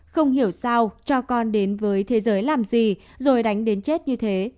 không hiểu sao cho con đến với thế giới làm gì rồi đánh đến chết như thế